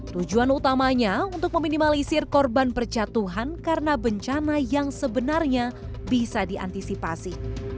tujuan utamanya untuk meminimalisir korban percatuhan karena bencana yang sebenarnya bisa diantisipasi